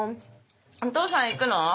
お父さん行くの？